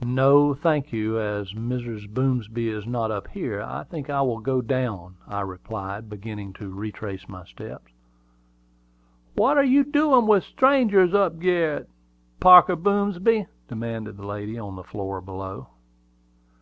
"No, I thank you; as Mrs. Boomsby is not up here, I think I will go down," I replied, beginning to retrace my steps. "What are you doin' with strangers up gerret, Parker Boomsby?" demanded the lady on the floor below.